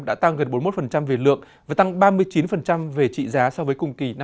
đã tăng gần bốn mươi một về lượng và tăng ba mươi chín về trị giá so với cùng kỳ năm hai nghìn một mươi tám